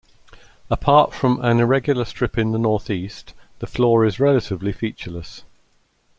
Apart from an irregular strip in the northeast, the floor is relatively featureless.